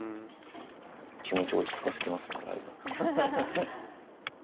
気持ち、落ち着かせてますね、雷が。